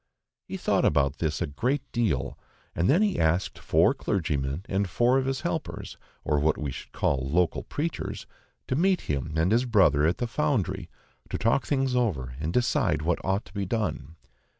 He thought about this a great deal, and then he asked four clergymen and four of his helpers, or what we should call local preachers, to meet him and his brother at the Foundry, to talk things over and decide what ought to be done.